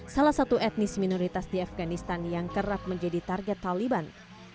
salah satu etnis minoritas di afganistan yang kerap menjadi target taliban